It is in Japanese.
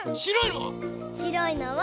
しろいのは？